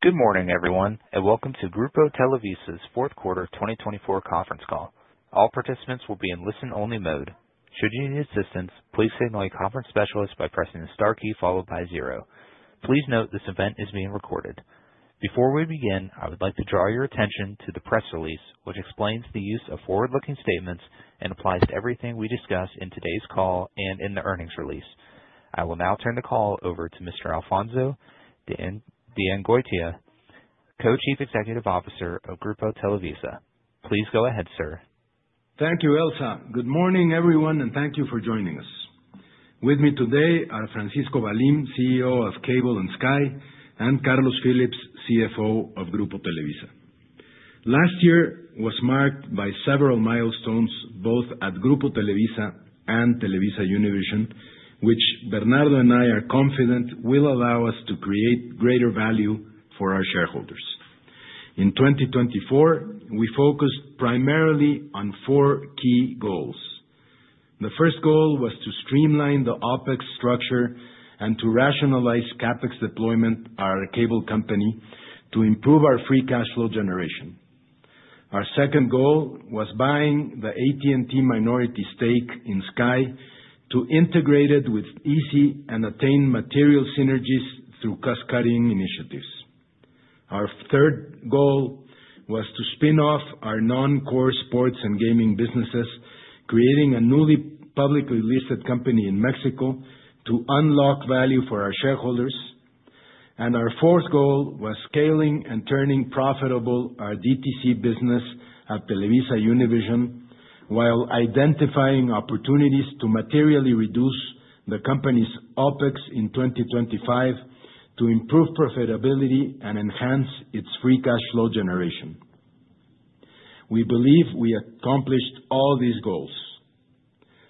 Good morning, everyone, and welcome to Grupo Televisa's fourth quarter 2024 conference call. All participants will be in listen-only mode. Should you need assistance, please contact the conference specialist by pressing the star key followed by zero. Please note this event is being recorded. Before we begin, I would like to draw your attention to the press release, which explains the use of forward-looking statements and applies to everything we discuss in today's call and in the earnings release. I will now turn the call over to Mr. Alfonso de Angoitia, Co-Chief Executive Officer of Grupo Televisa. Please go ahead, sir. Thank you, Elsa. Good morning, everyone, and thank you for joining us. With me today are Francisco Valim, CEO of Cable and Sky, and Carlos Phillips, CFO of Grupo Televisa. Last year was marked by several milestones both at Grupo Televisa and TelevisaUnivision, which Bernardo and I are confident will allow us to create greater value for our shareholders. In 2024, we focused primarily on four key goals. The first goal was to streamline the OpEx structure and to rationalize CapEx deployment at our Cable company to improve our free cash flow generation. Our second goal was buying the AT&T minority stake in Sky to integrate it with izzi and attain material synergies through cost-cutting initiatives. Our third goal was to spin off our non-core sports and gaming businesses, creating a newly publicly listed company in Mexico to unlock value for our shareholders. Our fourth goal was scaling and turning profitable our DTC business at TelevisaUnivision while identifying opportunities to materially reduce the company's OpEx in 2025 to improve profitability and enhance its free cash flow generation. We believe we accomplished all these goals.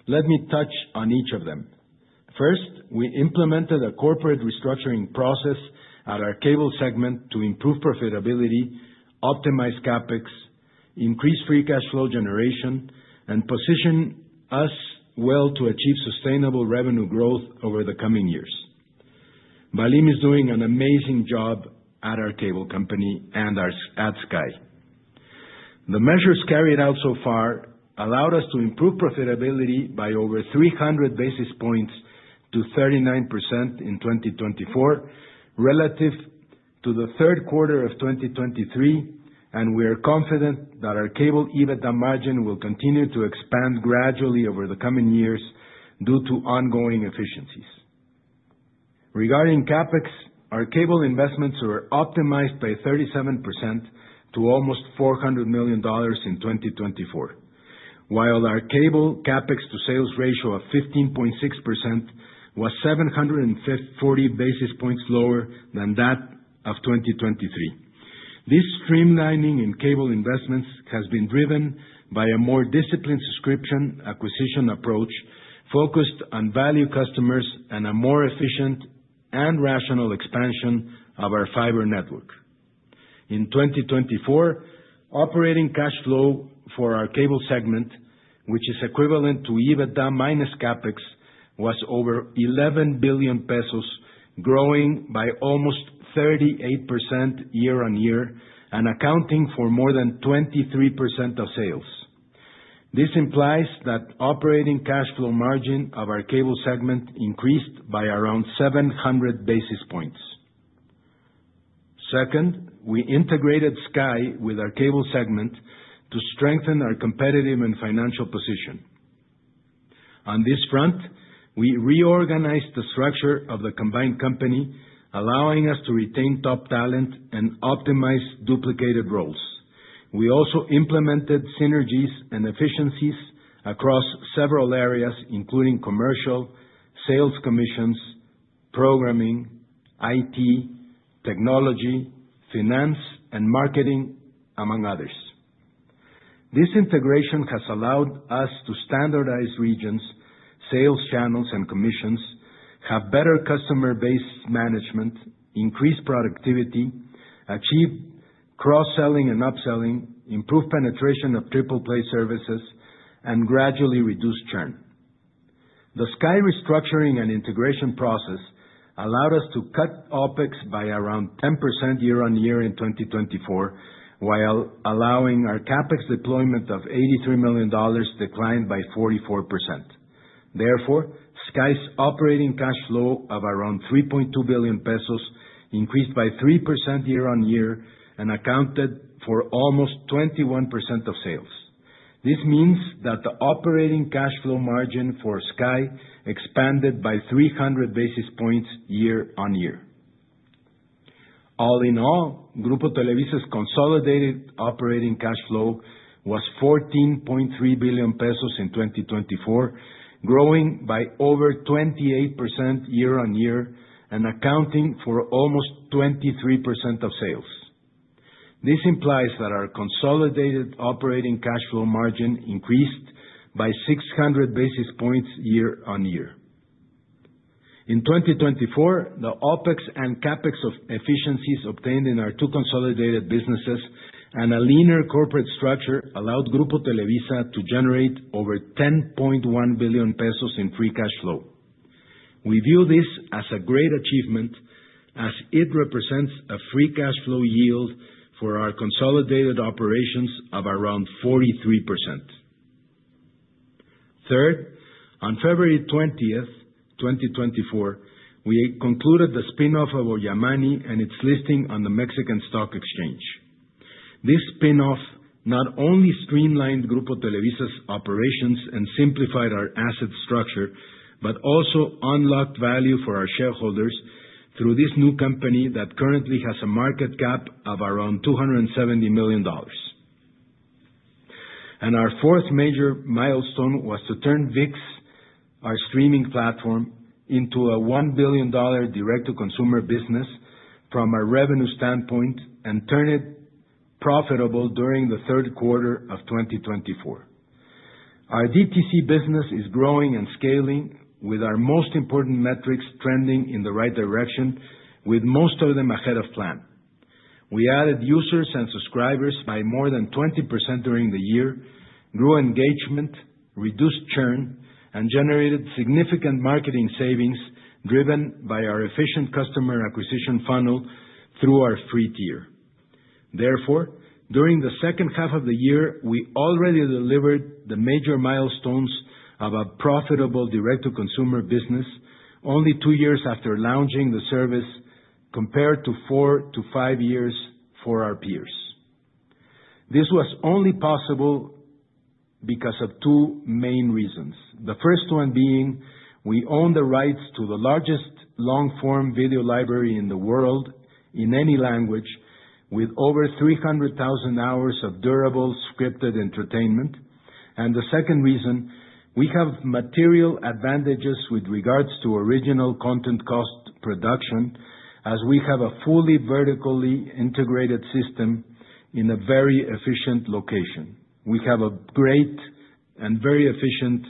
Let me touch on each of them. First, we implemented a corporate restructuring process at our Cable segment to improve profitability, optimize CapEx, increase free cash flow generation, and position us well to achieve sustainable revenue growth over the coming years. Valim is doing an amazing job at our Cable Company and at Sky. The measures carried out so far allowed us to improve profitability by over 300 basis points to 39% in 2024 relative to the third quarter of 2023, and we are confident that our Cable EBITDA margin will continue to expand gradually over the coming years due to ongoing efficiencies. Regarding CapEx, our Cable investments were optimized by 37% to almost $400 million in 2024, while our Cable CapEx to sales ratio of 15.6% was 740 basis points lower than that of 2023. This streamlining in Cable investments has been driven by a more disciplined subscription acquisition approach focused on value customers and a more efficient and rational expansion of our fiber network. In 2024, operating cash flow for our Cable segment, which is equivalent to EBITDA minus CapEx, was over 11 billion pesos, growing by almost 38% year on year and accounting for more than 23% of sales. This implies that the operating cash flow margin of our Cable segment increased by around 700 basis points. Second, we integrated Sky with our Cable segment to strengthen our competitive and financial position. On this front, we reorganized the structure of the combined company, allowing us to retain top talent and optimize duplicated roles. We also implemented synergies and efficiencies across several areas, including commercial, sales commissions, programming, IT, technology, finance, and marketing, among others. This integration has allowed us to standardize regions, sales channels, and commissions, have better customer base management, increase productivity, achieve cross-selling and upselling, improve penetration of triple-play services, and gradually reduce churn. The Sky restructuring and integration process allowed us to cut OpEx by around 10% year on year in 2024, while allowing our CapEx deployment of $83 million declined by 44%. Therefore, Sky's operating cash flow of around 3.2 billion pesos increased by 3% year on year and accounted for almost 21% of sales. This means that the operating cash flow margin for Sky expanded by 300 basis points year on year. All in all, Grupo Televisa's consolidated operating cash flow was 14.3 billion pesos in 2024, growing by over 28% year on year and accounting for almost 23% of sales. This implies that our consolidated operating cash flow margin increased by 600 basis points year on year. In 2024, the OpEx and CapEx efficiencies obtained in our two consolidated businesses and a leaner corporate structure allowed Grupo Televisa to generate over 10.1 billion pesos in free cash flow. We view this as a great achievement, as it represents a free cash flow yield for our consolidated operations of around 43%. Third, on February 20, 2024, we concluded the spin-off of Ollamani and its listing on the Mexican Stock Exchange. This spin-off not only streamlined Grupo Televisa's operations and simplified our asset structure, but also unlocked value for our shareholders through this new company that currently has a market cap of around $270 million, and our fourth major milestone was to turn ViX, our streaming platform, into a $1 billion direct-to-consumer business from a revenue standpoint and turn it profitable during the third quarter of 2024. Our DTC business is growing and scaling, with our most important metrics trending in the right direction, with most of them ahead of plan. We added users and subscribers by more than 20% during the year, grew engagement, reduced churn, and generated significant marketing savings driven by our efficient customer acquisition funnel through our free tier. Therefore, during the second half of the year, we already delivered the major milestones of a profitable direct-to-consumer business only two years after launching the service, compared to four to five years for our peers. This was only possible because of two main reasons. The first one being we own the rights to the largest long-form video library in the world in any language, with over 300,000 hours of durable scripted entertainment, and the second reason, we have material advantages with regards to original content cost production, as we have a fully vertically integrated system in a very efficient location. We have a great and very efficient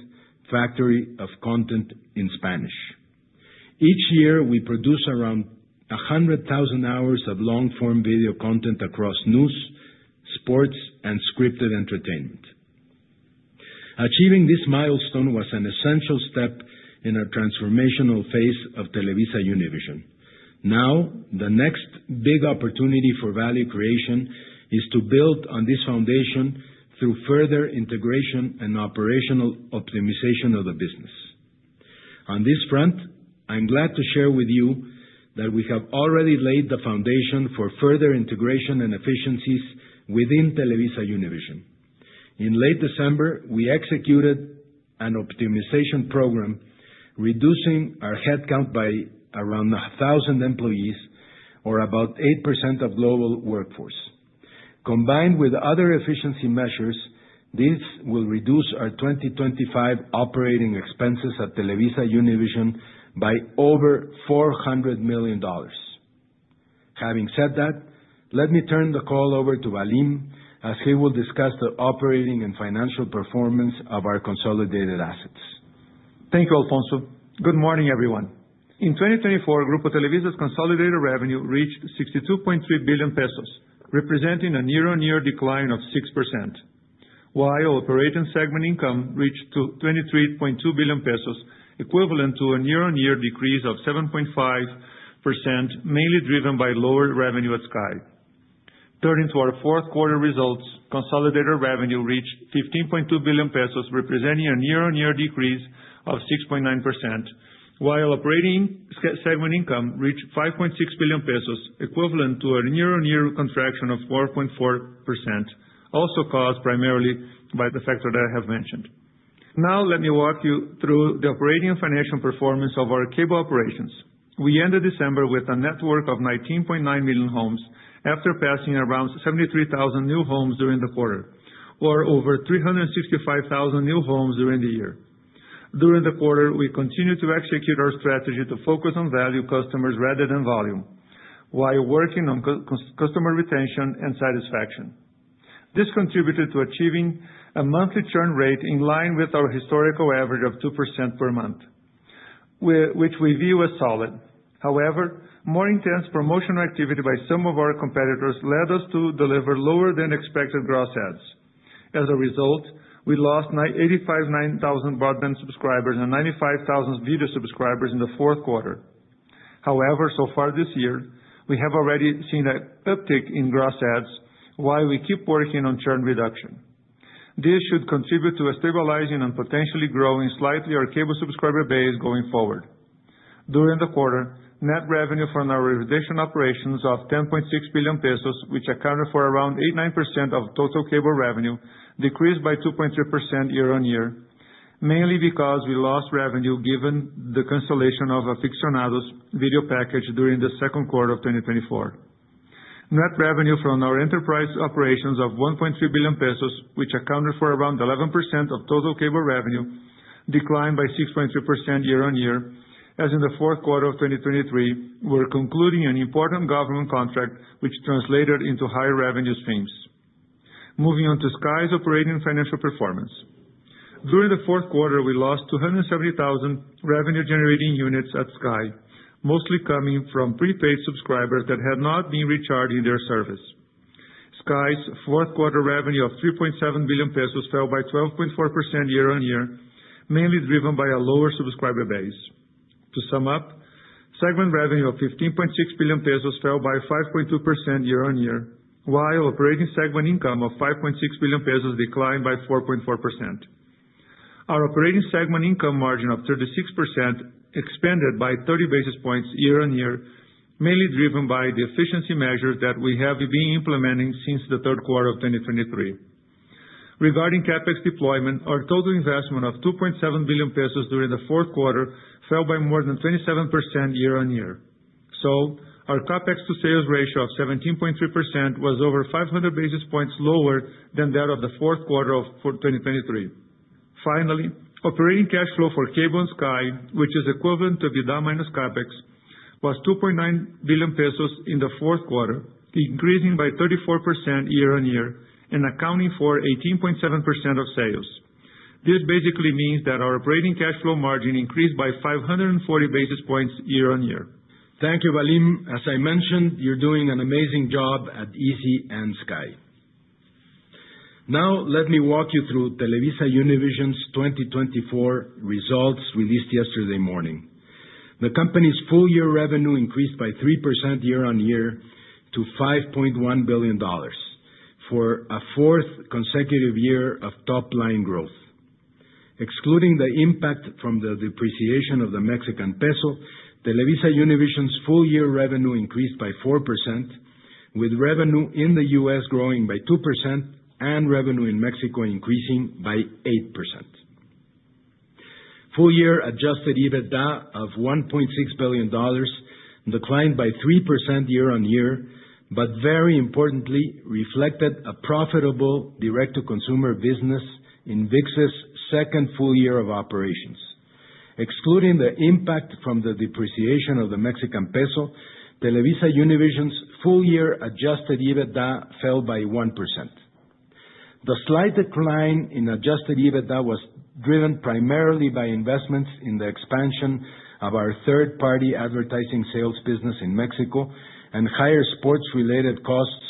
factory of content in Spanish. Each year, we produce around 100,000 hours of long-form video content across news, sports, and scripted entertainment. Achieving this milestone was an essential step in our transformational phase of TelevisaUnivision. Now, the next big opportunity for value creation is to build on this foundation through further integration and operational optimization of the business. On this front, I'm glad to share with you that we have already laid the foundation for further integration and efficiencies within TelevisaUnivision. In late December, we executed an optimization program, reducing our headcount by around 1,000 employees, or about 8% of global workforce. Combined with other efficiency measures, this will reduce our 2025 operating expenses at TelevisaUnivision by over $400 million. Having said that, let me turn the call over to Valim, as he will discuss the operating and financial performance of our consolidated assets. Thank you, Alfonso. Good morning, everyone. In 2024, Grupo Televisa's consolidated revenue reached 62.3 billion pesos, representing a year-on-year decline of 6%, while operating segment income reached 23.2 billion pesos, equivalent to a year-on-year decrease of 7.5%, mainly driven by lower revenue at Sky. Turning to our fourth quarter results, consolidated revenue reached 15.2 billion pesos, representing a year-on-year decrease of 6.9%, while operating segment income reached 5.6 billion pesos, equivalent to a year-on-year contraction of 4.4%, also caused primarily by the factor that I have mentioned. Now, let me walk you through the operating and financial performance of our Cable operations. We ended December with a network of 19.9 million homes after passing around 73,000 new homes during the quarter, or over 365,000 new homes during the year. During the quarter, we continued to execute our strategy to focus on value customers rather than volume, while working on customer retention and satisfaction. This contributed to achieving a monthly churn rate in line with our historical average of 2% per month, which we view as solid. However, more intense promotional activity by some of our competitors led us to deliver lower than expected gross adds. As a result, we lost 85,000 broadband subscribers and 95,000 video subscribers in the fourth quarter. However, so far this year, we have already seen an uptick in gross adds, while we keep working on churn reduction. This should contribute to stabilizing and potentially growing slightly our Cable subscriber base going forward. During the quarter, net revenue from our residential operations of 10.6 billion pesos, which accounted for around 89% of total Cable revenue, decreased by 2.3% year-on-year, mainly because we lost revenue given the cancellation of an Afizzionados video package during the second quarter of 2024. Net revenue from our enterprise operations of 1.3 billion pesos, which accounted for around 11% of total Cable revenue, declined by 6.3% year-on-year, as in the fourth quarter of 2023, we were concluding an important government contract, which translated into higher revenue streams. Moving on to Sky's operating and financial performance. During the fourth quarter, we lost 270,000 revenue-generating units at Sky, mostly coming from prepaid subscribers that had not been recharging their service. Sky's fourth quarter revenue of 3.7 billion pesos fell by 12.4% year-on-year, mainly driven by a lower subscriber base. To sum up, segment revenue of 15.6 billion pesos fell by 5.2% year-on-year, while operating segment income of 5.6 billion pesos declined by 4.4%. Our operating segment income margin of 36% expanded by 30 basis points year-on-year, mainly driven by the efficiency measures that we have been implementing since the third quarter of 2023. Regarding CapEx deployment, our total investment of 2.7 billion pesos during the fourth quarter fell by more than 27% year-on-year. So, our CapEx to sales ratio of 17.3% was over 500 basis points lower than that of the fourth quarter of 2023. Finally, operating cash flow for Cable and Sky, which is equivalent to EBITDA minus CapEx, was 2.9 billion pesos in the fourth quarter, increasing by 34% year-on-year and accounting for 18.7% of sales. This basically means that our operating cash flow margin increased by 540 basis points year-on-year. Thank you, Valim. As I mentioned, you're doing an amazing job at izzi and Sky. Now, let me walk you through TelevisaUnivision's 2024 results released yesterday morning. The company's full-year revenue increased by 3% year-on-year to $5.1 billion, for a fourth consecutive year of top-line growth. Excluding the impact from the depreciation of the Mexican peso, TelevisaUnivision's full-year revenue increased by 4%, with revenue in the U.S. growing by 2% and revenue in Mexico increasing by 8%. Full-year adjusted EBITDA of $1.6 billion declined by 3% year-on-year, but very importantly, reflected a profitable direct-to-consumer business in ViX's second full year of operations. Excluding the impact from the depreciation of the Mexican peso, TelevisaUnivision's full-year adjusted EBITDA fell by 1%. The slight decline in adjusted EBITDA was driven primarily by investments in the expansion of our third-party advertising sales business in Mexico and higher sports-related costs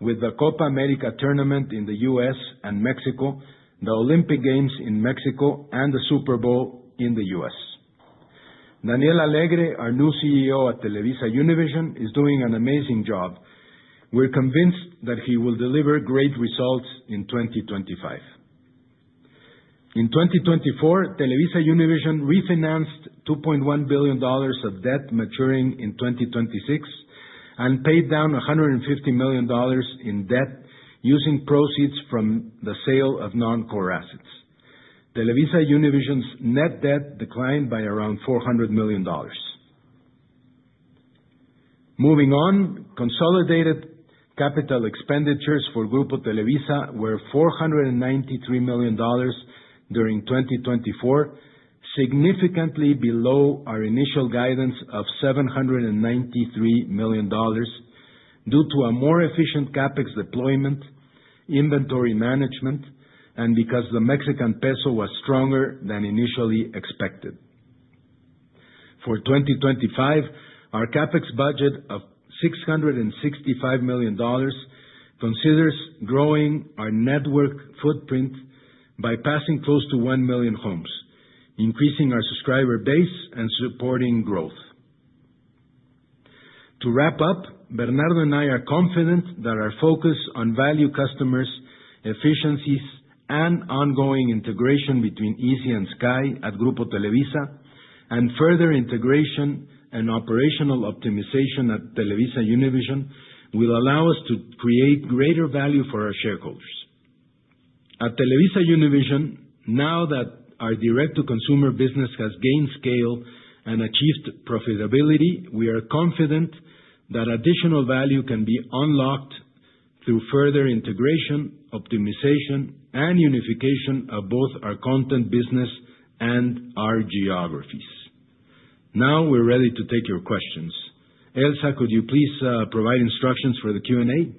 with the Copa América tournament in the U.S. and Mexico, the Olympic Games in Mexico, and the Super Bowl in the U.S. Daniel Alegre, our new CEO at TelevisaUnivision, is doing an amazing job. We're convinced that he will deliver great results in 2025. In 2024, TelevisaUnivision refinanced $2.1 billion of debt maturing in 2026 and paid down $150 million in debt using proceeds from the sale of non-core assets. TelevisaUnivision's net debt declined by around $400 million. Moving on, consolidated capital expenditures for Grupo Televisa were $493 million during 2024, significantly below our initial guidance of $793 million due to a more efficient CapEx deployment, inventory management, and because the Mexican peso was stronger than initially expected. For 2025, our CapEx budget of $665 million considers growing our network footprint by passing close to 1 million homes, increasing our subscriber base and supporting growth. To wrap up, Bernardo and I are confident that our focus on value customers, efficiencies, and ongoing integration between izzi and Sky at Grupo Televisa, and further integration and operational optimization at TelevisaUnivision will allow us to create greater value for our shareholders. At TelevisaUnivision, now that our direct-to-consumer business has gained scale and achieved profitability, we are confident that additional value can be unlocked through further integration, optimization, and unification of both our content business and our geographies. Now we're ready to take your questions. Elsa, could you please provide instructions for the Q&A?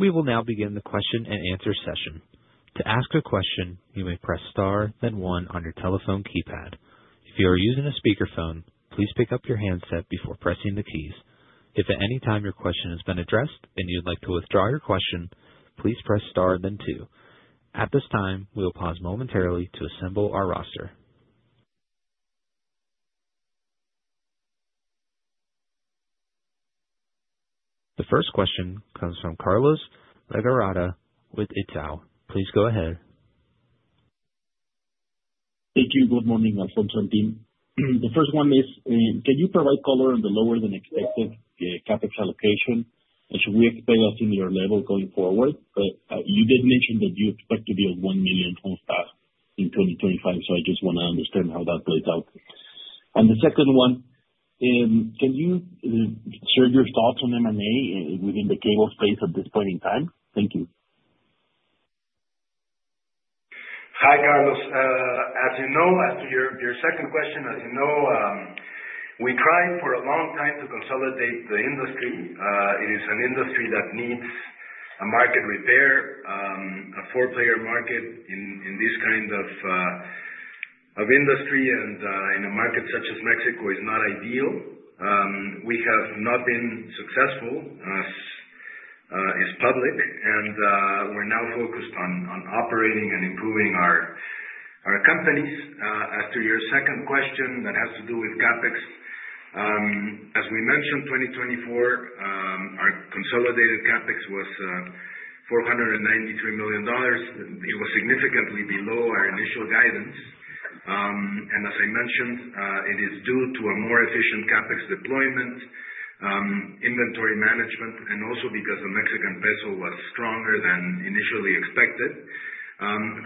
We will now begin the question-and-answer session. To ask a question, you may press star, then one on your telephone keypad. If you are using a speakerphone, please pick up your handset before pressing the keys. If at any time your question has been addressed and you'd like to withdraw your question, please press star, then two. At this time, we'll pause momentarily to assemble our roster. The first question comes from Carlos de Legarreta with Itaú. Please go ahead. Thank you. Good morning, Alfonso and team. The first one is, can you provide color on the lower-than-expected CapEx allocation, and should we expect a similar level going forward? You did mention that you expect to build 1 million homes passed in 2025, so I just want to understand how that plays out. And the second one, can you share your thoughts on M&A within the Cable space at this point in time? Thank you. Hi, Carlos. As you know, as to your second question, as you know, we tried for a long time to consolidate the industry. It is an industry that needs a market repair, a four-player market in this kind of industry, and in a market such as Mexico, it's not ideal. We have not been successful, as is public, and we're now focused on operating and improving our companies. As to your second question that has to do with CapEx, as we mentioned, 2024, our consolidated CapEx was $493 million. It was significantly below our initial guidance. And as I mentioned, it is due to a more efficient CapEx deployment, inventory management, and also because the Mexican peso was stronger than initially expected.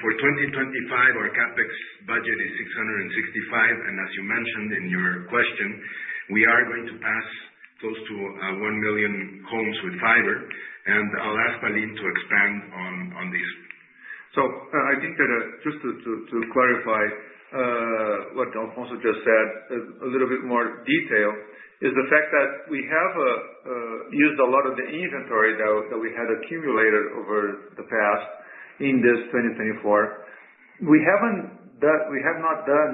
For 2025, our CapEx budget is $665 million, and as you mentioned in your question, we are going to pass close to one million homes with fiber. I'll ask Valim to expand on this. So I think that just to clarify what Alfonso just said a little bit more detail is the fact that we have used a lot of the inventory that we had accumulated over the past in this 2024. We have not done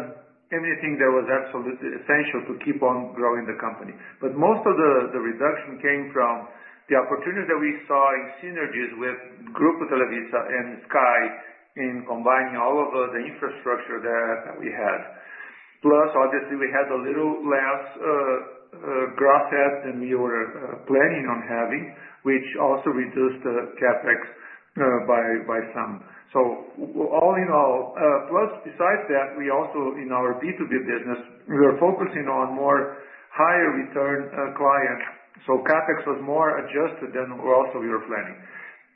anything that was absolutely essential to keep on growing the company. But most of the reduction came from the opportunities that we saw in synergies with Grupo Televisa and Sky in combining all of the infrastructure that we had. Plus, obviously, we had a little less gross adds than we were planning on having, which also reduced the CapEx by some. So all in all, plus besides that, we also in our B2B business, we were focusing on more higher-return clients. So CapEx was more adjusted than also we were planning.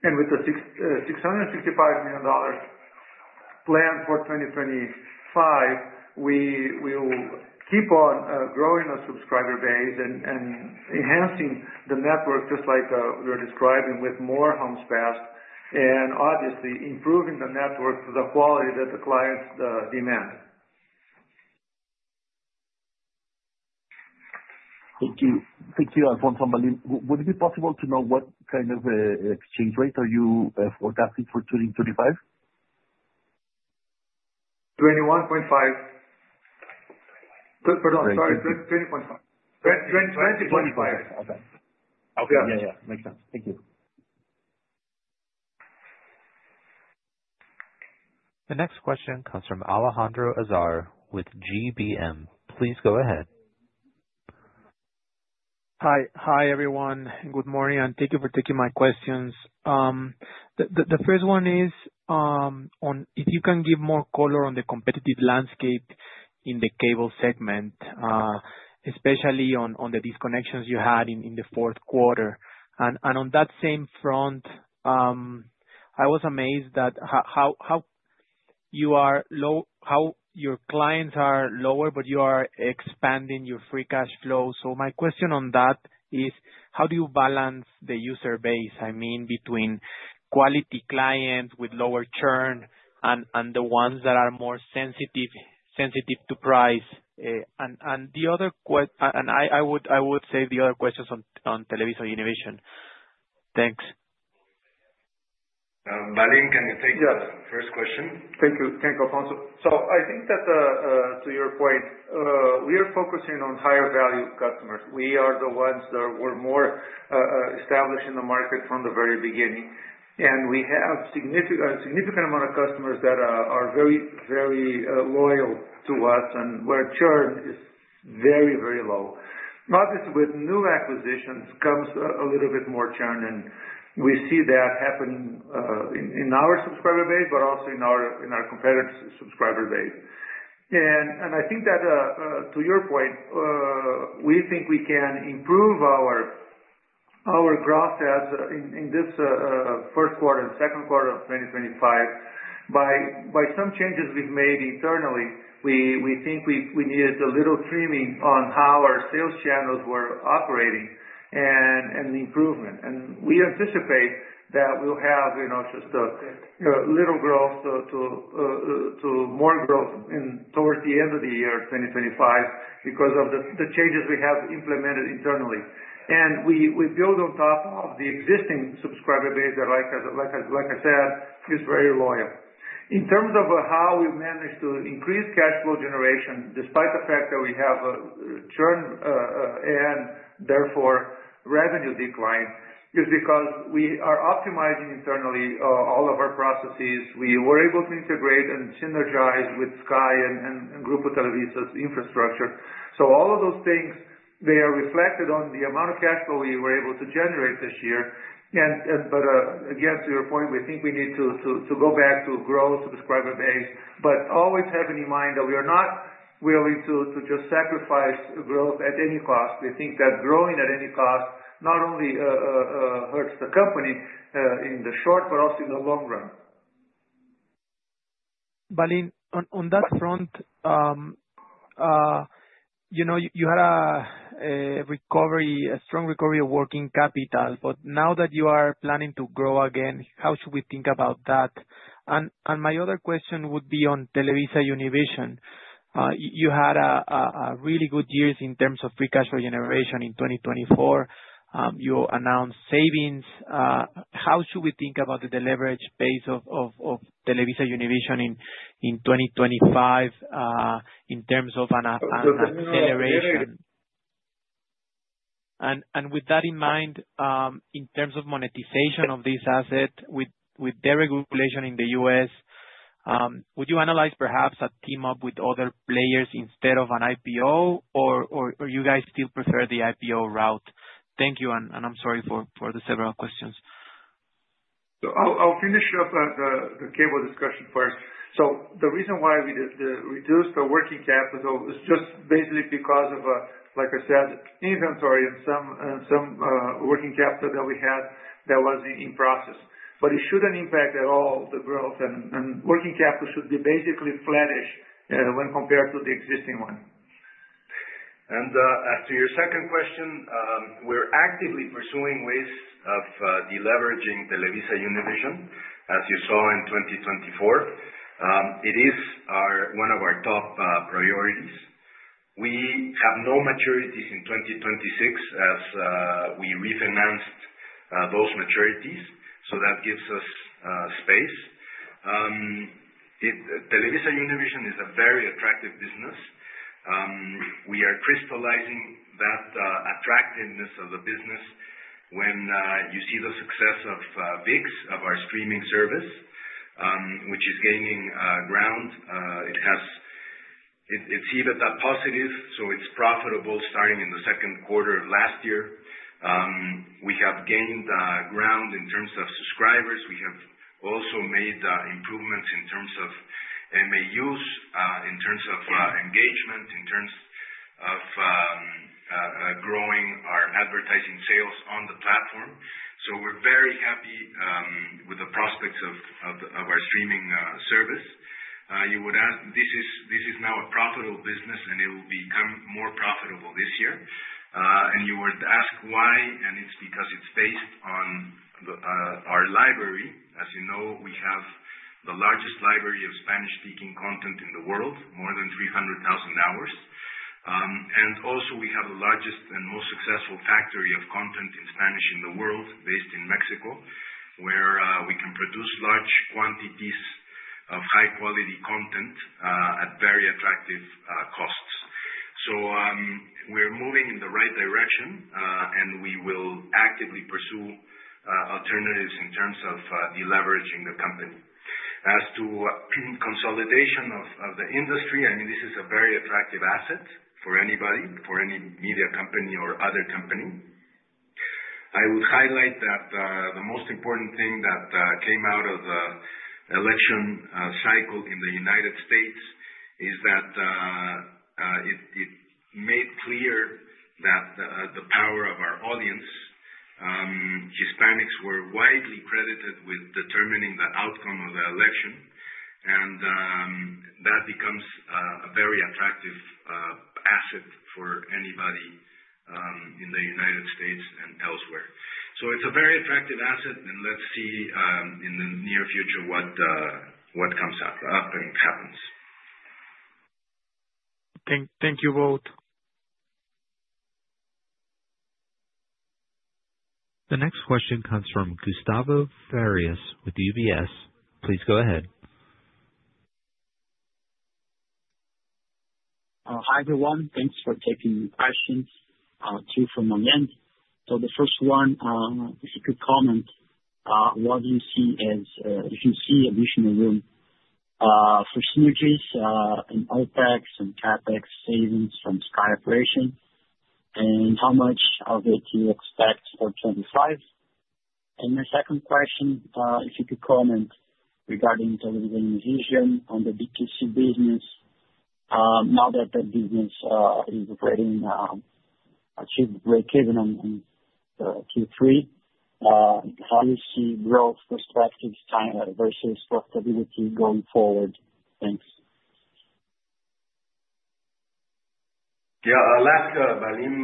With the $665 million planned for 2025, we will keep on growing our subscriber base and enhancing the network just like we were describing with more homes passed, and obviously improving the network to the quality that the clients demand. Thank you. Thank you, Alfonso and Valim. Would it be possible to know what kind of exchange rate are you forecasting for 2025? 21.5. Pardon, sorry. 20.5. 20.5. Okay. Yeah, yeah. Makes sense. Thank you. The next question comes from Alejandro Azar with GBM. Please go ahead. Hi, everyone. Good morning, and thank you for taking my questions. The first one is on if you can give more color on the competitive landscape in the Cable segment, especially on the disconnections you had in the fourth quarter. And on that same front, I was amazed at how your clients are lower, but you are expanding your free cash flow. So my question on that is, how do you balance the user base? I mean, between quality clients with lower churn and the ones that are more sensitive to price. And the other question, and I would save the other questions on TelevisaUnivision. Thanks. Valim, can you take the first question? Thank you. Thank you, Alfonso. So I think that to your point, we are focusing on higher-value customers. We are the ones that were more established in the market from the very beginning, and we have a significant amount of customers that are very, very loyal to us, and where churn is very, very low. Obviously, with new acquisitions comes a little bit more churn, and we see that happening in our subscriber base, but also in our competitor's subscriber base. And I think that to your point, we think we can improve our gross adds in this first quarter and second quarter of 2025 by some changes we've made internally. We think we needed a little trimming on how our sales channels were operating and the improvement. We anticipate that we'll have just a little growth to more growth towards the end of the year 2025 because of the changes we have implemented internally, and we build on top of the existing subscriber base that, like I said, is very loyal. In terms of how we've managed to increase cash flow generation despite the fact that we have churn and therefore revenue decline is because we are optimizing internally all of our processes. We were able to integrate and synergize with Sky and Grupo Televisa's infrastructure, so all of those things, they are reflected on the amount of cash flow we were able to generate this year, but again, to your point, we think we need to go back to grow subscriber base, but always have in mind that we are not willing to just sacrifice growth at any cost. We think that growing at any cost not only hurts the company in the short but also in the long run. Valim, on that front, you had a strong recovery of working capital, but now that you are planning to grow again, how should we think about that? And my other question would be on TelevisaUnivision. You had a really good year in terms of free cash flow generation in 2024. You announced savings. How should we think about the leverage base of TelevisaUnivision in 2025 in terms of an acceleration? And with that in mind, in terms of monetization of this asset with deregulation in the U.S., would you analyze perhaps a team-up with other players instead of an IPO, or do you guys still prefer the IPO route? Thank you, and I'm sorry for the several questions. I'll finish up the Cable discussion first. The reason why we reduced our working capital is just basically because of, like I said, inventory and some working capital that we had that was in process. It shouldn't impact at all the growth, and working capital should be basically flattish when compared to the existing one. To your second question, we're actively pursuing ways of deleveraging TelevisaUnivision, as you saw in 2024. It is one of our top priorities. We have no maturities in 2026 as we refinanced those maturities, so that gives us space. TelevisaUnivision is a very attractive business. We are crystallizing that attractiveness of the business when you see the success of ViX, of our streaming service, which is gaining ground. It's even that positive, so it's profitable starting in the second quarter of last year. We have gained ground in terms of subscribers. We have also made improvements in terms of MAUs, in terms of engagement, in terms of growing our advertising sales on the platform. So we're very happy with the prospects of our streaming service. You would ask, this is now a profitable business, and it will become more profitable this year. You would ask why, and it's because it's based on our library. As you know, we have the largest library of Spanish-speaking content in the world, more than 300,000 hours. And also, we have the largest and most successful factory of content in Spanish in the world, based in Mexico, where we can produce large quantities of high-quality content at very attractive costs. We're moving in the right direction, and we will actively pursue alternatives in terms of deleveraging the company. As to consolidation of the industry, I mean, this is a very attractive asset for anybody, for any media company or other company. I would highlight that the most important thing that came out of the election cycle in the United States is that it made clear that the power of our audience. Hispanics were widely credited with determining the outcome of the election, and that becomes a very attractive asset for anybody in the United States and elsewhere. So it's a very attractive asset, and let's see in the near future what comes up and happens. Thank you both. The next question comes from Gustavo Piras with UBS. Please go ahead. Hi everyone. Thanks for taking the questions. Two from online. So the first one, if you could comment, what do you see additional room for synergies in OpEx and CapEx savings from Sky operation, and how much of it do you expect for 2025? And my second question, if you could comment regarding TelevisaUnivision on the B2B business now that that business is operating, achieved break-even in Q3. How do you see growth perspective versus profitability going forward? Thanks. Yeah, I'll ask Valim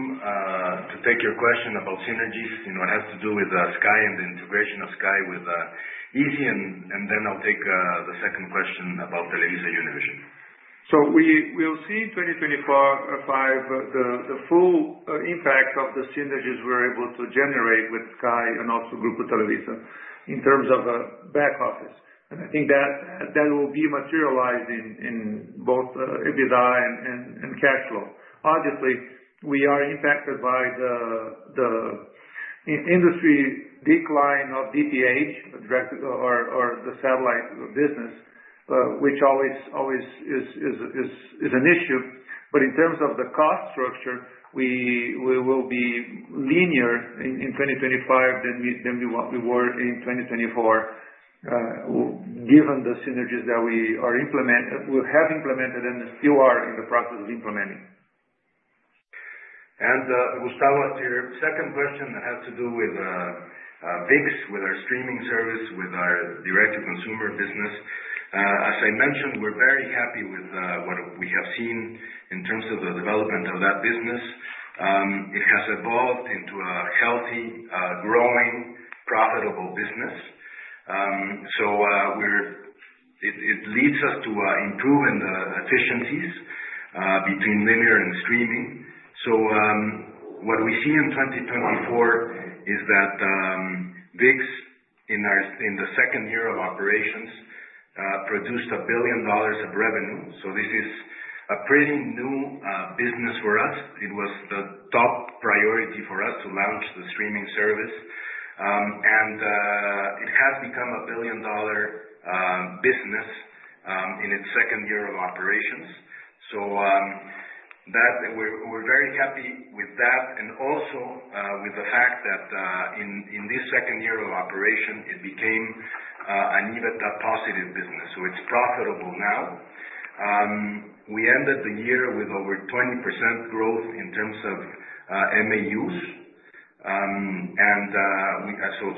to take your question about synergies and what has to do with Sky and the integration of Sky with izzi, and then I'll take the second question about TelevisaUnivision. We'll see in 2025 the full impact of the synergies we're able to generate with Sky and also Grupo Televisa in terms of a back office. I think that will be materialized in both EBITDA and cash flow. Obviously, we are impacted by the industry decline of DTH or the satellite business, which always is an issue. In terms of the cost structure, we will be leaner in 2025 than we were in 2024 given the synergies that we have implemented and still are in the process of implementing. Gustavo, to your second question that has to do with ViX, with our streaming service, with our direct-to-consumer business, as I mentioned, we're very happy with what we have seen in terms of the development of that business. It has evolved into a healthy, growing, profitable business. It leads us to improving the efficiencies between linear and streaming. What we see in 2024 is that ViX, in the second year of operations, produced $1 billion of revenue. This is a pretty new business for us. It was the top priority for us to launch the streaming service. It has become a $1 billion-dollar business in its second year of operations. We're very happy with that and also with the fact that in this second year of operation, it became an EBITDA-positive business. It's profitable now. We ended the year with over 20% growth in terms of MAUs. And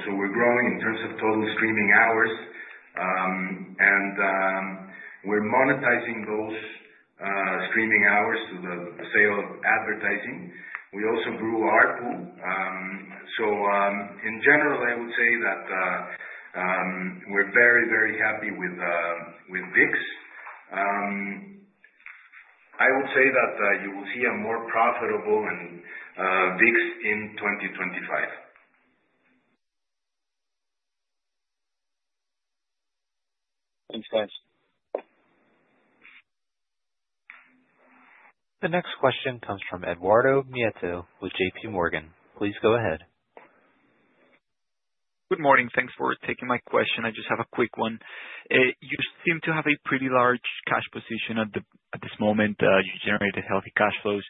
so we're growing in terms of total streaming hours, and we're monetizing those streaming hours through the sale of advertising. We also grew our pool. So in general, I would say that we're very, very happy with ViX. I would say that you will see a more profitable ViX in 2025. Thanks, guys. The next question comes from Eduardo Nieto with JPMorgan. Please go ahead. Good morning. Thanks for taking my question. I just have a quick one. You seem to have a pretty large cash position at this moment. You generated healthy cash flows.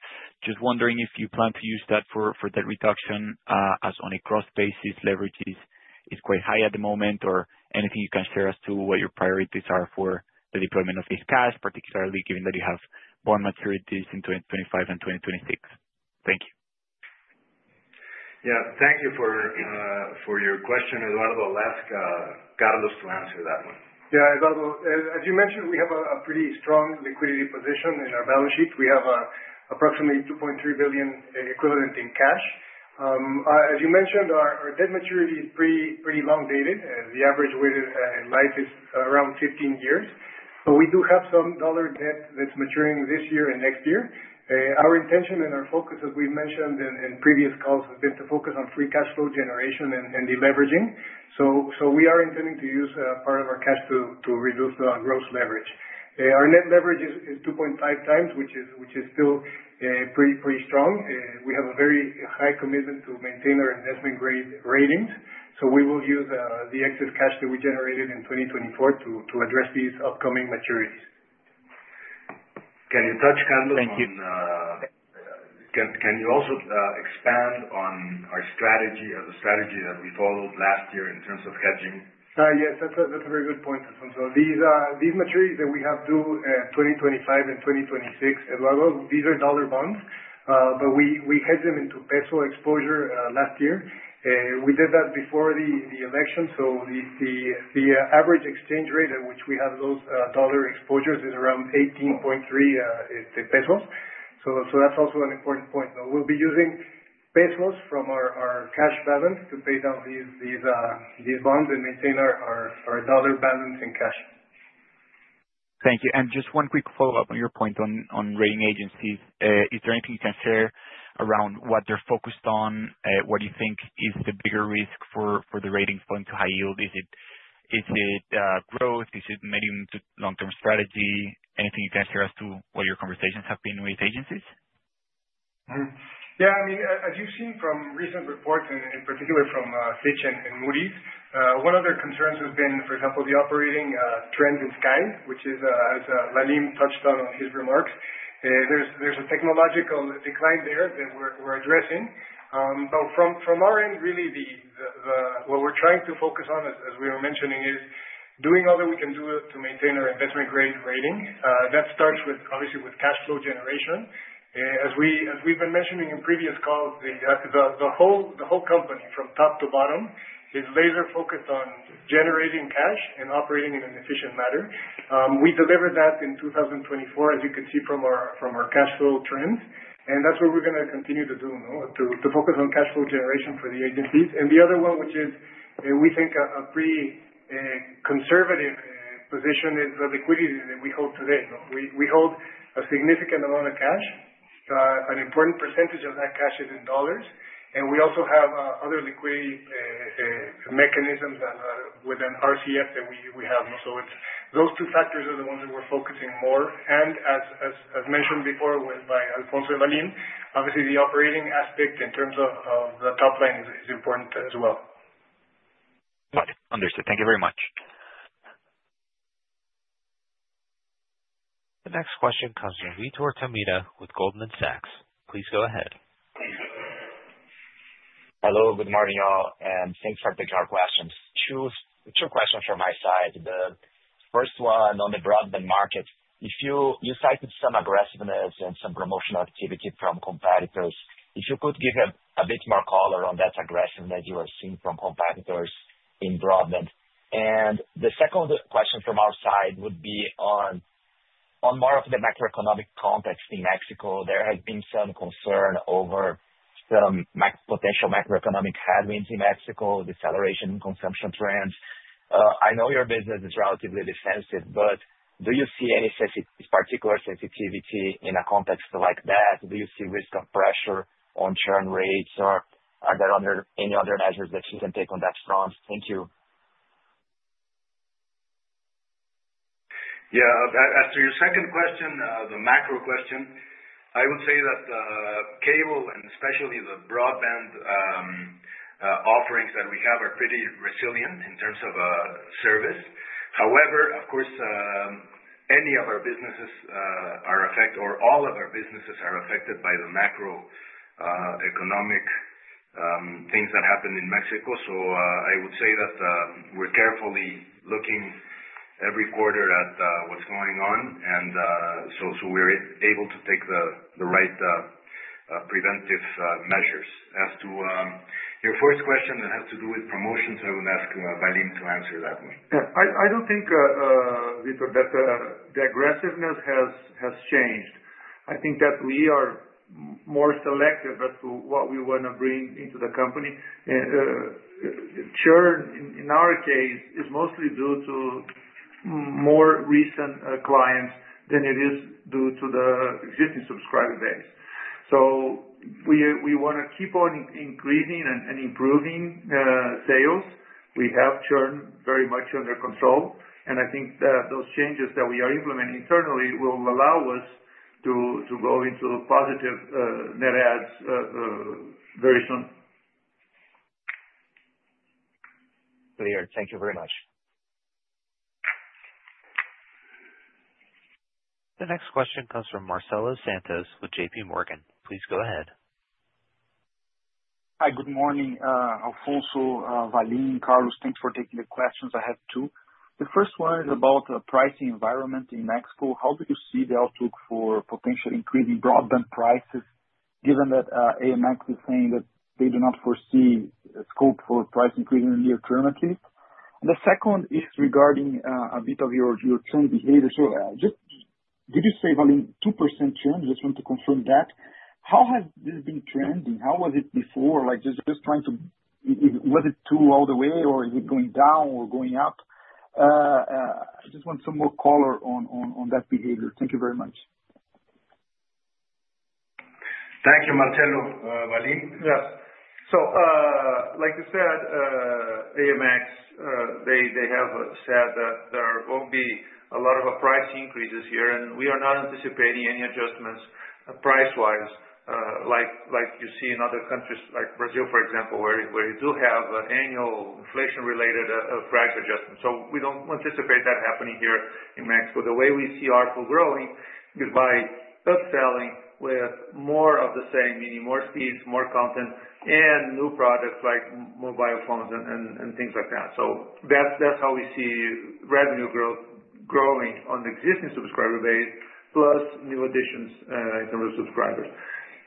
Just wondering if you plan to use that for debt reduction, as on a gross basis leverage is quite high at the moment. Or anything you can share as to what your priorities are for the deployment of this cash, particularly given that you have more maturities in 2025 and 2026? Thank you. Yeah, thank you for your question, Eduardo. I'll ask Carlos to answer that one. Yeah, Eduardo, as you mentioned, we have a pretty strong liquidity position in our balance sheet. We have approximately $2.3 billion equivalent in cash. As you mentioned, our debt maturity is pretty long-dated. The average weighted life is around 15 years. But we do have some dollar debt that's maturing this year and next year. Our intention and our focus, as we've mentioned in previous calls, has been to focus on free cash flow generation and deleveraging. So we are intending to use part of our cash to reduce the gross leverage. Our net leverage is 2.5x, which is still pretty strong. We have a very high commitment to maintain our investment ratings. So we will use the excess cash that we generated in 2024 to address these upcoming maturities. Can you touch on, Carlos? And can you also expand on our strategy, the strategy that we followed last year in terms of hedging? Yes, that's a very good point. So these maturities that we have due in 2025 and 2026, Eduardo, these are dollar bonds, but we hedged them into peso exposure last year. We did that before the election. So the average exchange rate at which we have those dollar exposures is around 18.3 pesos. So that's also an important point. We'll be using pesos from our cash balance to pay down these bonds and maintain our dollar balance in cash. Thank you, and just one quick follow-up on your point on rating agencies. Is there anything you can share around what they're focused on, what you think is the bigger risk for the ratings going to high yield? Is it growth? Is it medium to long-term strategy? Anything you can share as to what your conversations have been with agencies? Yeah, I mean, as you've seen from recent reports, and in particular from Fitch and Moody's, one of their concerns has been, for example, the operating trends in Sky, which, as Valim touched on in his remarks, there's a technological decline there that we're addressing, but from our end, really, what we're trying to focus on, as we were mentioning, is doing all that we can do to maintain our investment-grade rating. That starts with, obviously, with cash flow generation. As we've been mentioning in previous calls, the whole company from top to bottom is laser-focused on generating cash and operating in an efficient manner. We delivered that in 2024, as you could see from our cash flow trends, and that's what we're going to continue to do, to focus on cash flow generation for the agencies. And the other one, which is we think a pretty conservative position, is the liquidity that we hold today. We hold a significant amount of cash. An important percentage of that cash is in dollars. And we also have other liquidity mechanisms within RCF that we have. So those two factors are the ones that we're focusing more. And as mentioned before by Alfonso and Valim, obviously, the operating aspect in terms of the top line is important as well. Got it. Understood. Thank you very much. The next question comes from Vitor Tomita with Goldman Sachs. Please go ahead. Hello, good morning, y'all, and thanks for taking our questions. Two questions from my side. The first one on the broadband market, you cited some aggressiveness and some promotional activity from competitors. If you could give a bit more color on that aggressiveness you are seeing from competitors in broadband. And the second question from our side would be on more of the macroeconomic context in Mexico. There has been some concern over some potential macroeconomic headwinds in Mexico, deceleration in consumption trends. I know your business is relatively defensive, but do you see any particular sensitivity in a context like that? Do you see risk of pressure on churn rates, or are there any other measures that you can take on that front? Thank you. Yeah, as to your second question, the macro question, I would say that Cable, and especially the broadband offerings that we have, are pretty resilient in terms of service. However, of course, any of our businesses are affected, or all of our businesses are affected by the macroeconomic things that happen in Mexico. So I would say that we're carefully looking every quarter at what's going on, and so we're able to take the right preventive measures. As to your first question that has to do with promotions, I would ask Valim to answer that one. Yeah, I don't think, Vitor, that the aggressiveness has changed. I think that we are more selective as to what we want to bring into the company. Churn, in our case, is mostly due to more recent clients than it is due to the existing subscriber base. So we want to keep on increasing and improving sales. We have churn very much under control. And I think that those changes that we are implementing internally will allow us to go into positive net adds very soon. Clear. Thank you very much. The next question comes from Marcelo Santos with JPMorgan. Please go ahead. Hi, good morning. Alfonso, Valim, Carlos, thanks for taking the questions. I have two. The first one is about the pricing environment in Mexico. How do you see the outlook for potentially increasing broadband prices, given that AMX is saying that they do not foresee scope for price increases in the near term, at least? And the second is regarding a bit of your churn behavior. So did you say, Valim, 2% churn? Just want to confirm that. How has this been trending? How was it before? Just trying to was it two all the way, or is it going down or going up? I just want some more color on that behavior. Thank you very much. Thank you, Marcelo, Valim. Yes. So like you said, AMX, they have said that there will be a lot of price increases here, and we are not anticipating any adjustments price-wise like you see in other countries, like Brazil, for example, where you do have annual inflation-related price adjustments. So we don't anticipate that happening here in Mexico. The way we see our pool growing is by upselling with more of the same, meaning more speeds, more content, and new products like mobile phones and things like that. So that's how we see revenue growing on the existing subscriber base, plus new additions in terms of subscribers.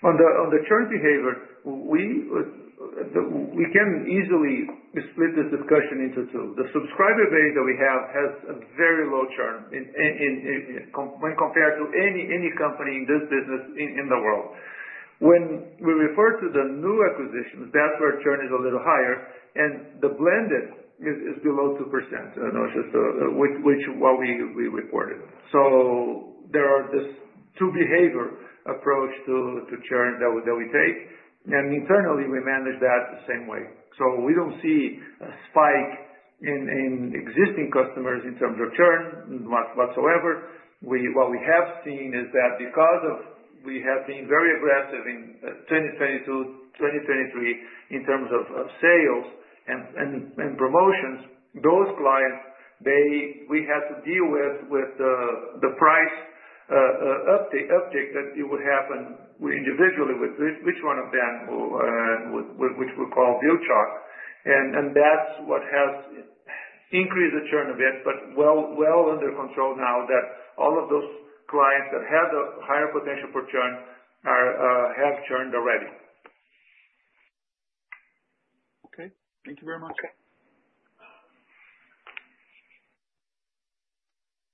On the churn behavior, we can easily split this discussion into two. The subscriber base that we have has a very low churn when compared to any company in this business in the world. When we refer to the new acquisitions, that's where churn is a little higher, and the blended is below 2%, which is what we reported, so there are this two-behavior approach to churn that we take, and internally, we manage that the same way, so we don't see a spike in existing customers in terms of churn whatsoever. What we have seen is that because we have been very aggressive in 2022, 2023, in terms of sales and promotions, those clients, we had to deal with the price uptick that would happen individually with which one of them, which we call bill shock, and that's what has increased the churn a bit, but well under control now that all of those clients that had a higher potential for churn have churned already. Okay. Thank you very much.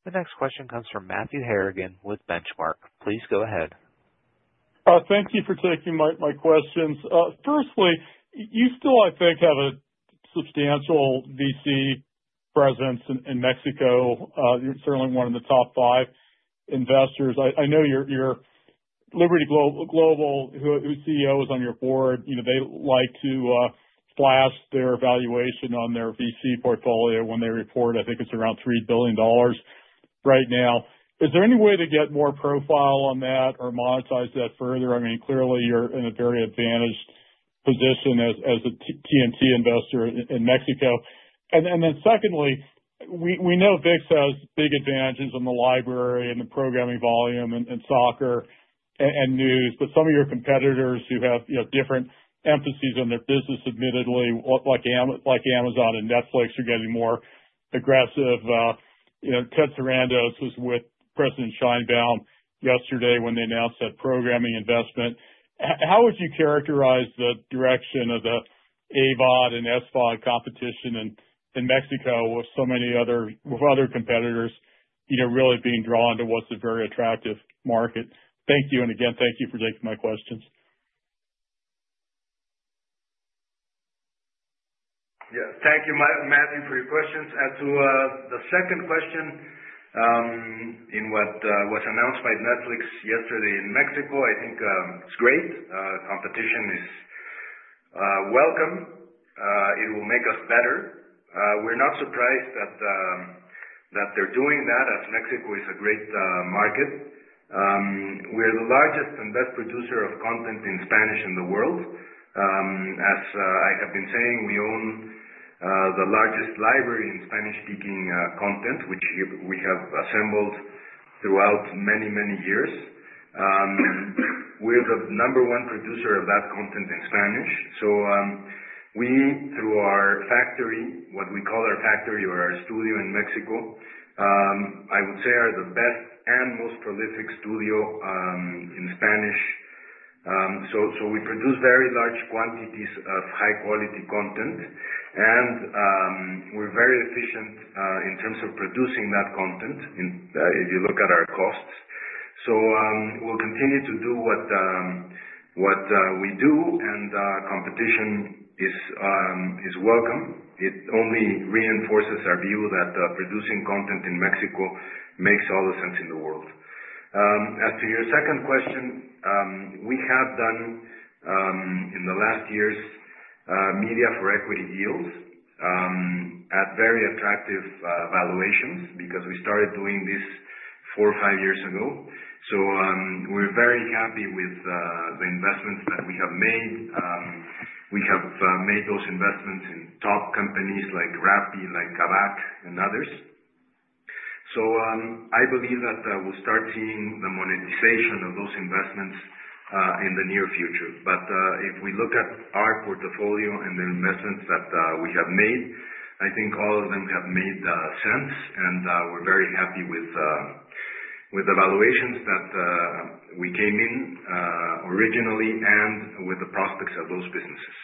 The next question comes from Matthew Harrigan with Benchmark. Please go ahead. Thank you for taking my questions. Firstly, you still, I think, have a substantial VC presence in Mexico. You're certainly one of the top five investors. I know Liberty Global, whose CEO is on your board, they like to flash their valuation on their VC portfolio when they report, I think it's around $3 billion right now. Is there any way to get more profile on that or monetize that further? I mean, clearly, you're in a very advantaged position as a TMT investor in Mexico. And then secondly, we know ViX has big advantages in the library and the programming volume and soccer and news, but some of your competitors who have different emphases on their business, admittedly, like Amazon and Netflix, are getting more aggressive. Ted Sarandos was with President Sheinbaum yesterday when they announced that programming investment. How would you characterize the direction of the AVOD and SVOD competition in Mexico with so many other competitors really being drawn to what's a very attractive market? Thank you, and again, thank you for taking my questions. Yeah, thank you, Matthew, for your questions. As to the second question, in what was announced by Netflix yesterday in Mexico, I think it's great. Competition is welcome. It will make us better. We're not surprised that they're doing that as Mexico is a great market. We're the largest and best producer of content in Spanish in the world. As I have been saying, we own the largest library in Spanish-speaking content, which we have assembled throughout many, many years. We're the number one producer of that content in Spanish. So we, through our factory, what we call our factory or our studio in Mexico, I would say are the best and most prolific studio in Spanish. So we produce very large quantities of high-quality content, and we're very efficient in terms of producing that content if you look at our costs. So we'll continue to do what we do, and competition is welcome. It only reinforces our view that producing content in Mexico makes all the sense in the world. As to your second question, we have done in the last years media for equity deals at very attractive valuations because we started doing this four or five years ago. So we're very happy with the investments that we have made. We have made those investments in top companies like Rappi, like Kavak, and others. So I believe that we'll start seeing the monetization of those investments in the near future. But if we look at our portfolio and the investments that we have made, I think all of them have made sense, and we're very happy with the valuations that we came in originally and with the prospects of those businesses.